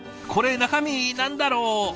これ中身何だろう